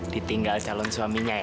ditinggal calon suaminya ya